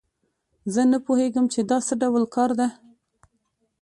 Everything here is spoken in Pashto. زه نه پوهیږم چې دا څه ډول کار ده